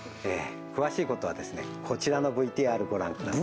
詳しいことはこちらのＶＴＲご覧ください